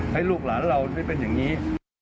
ให้ลูกหลานเราได้เป็นอย่างนี้